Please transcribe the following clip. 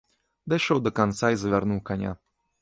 Дайшоў да канца і завярнуў каня.